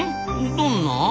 どんな？